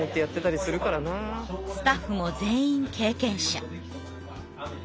スタッフも全員経験者。